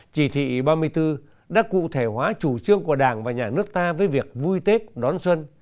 chỉ thị ba mươi bốn đã cụ thể hóa chủ trương của đảng và nhà nước ta với việc vui tết đón xuân